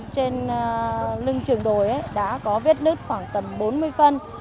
trên lưng trường đồi đã có vết nứt khoảng tầm bốn mươi phân